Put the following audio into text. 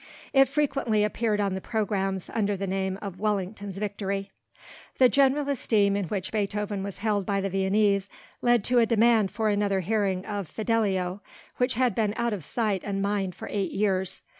It frequently appeared on the programmes under the name of Wellington's Victory. The general esteem in which Beethoven was held by the Viennese led to a demand for another hearing of Fidelio, which had been out of sight and mind for eight years.